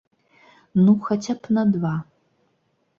Ну, хаця б на два.